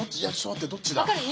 待ってどっちだ？